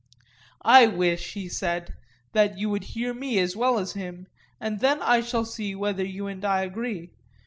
I wish, he said, that you would hear me as well as him, and then I shall see whether you and I agree.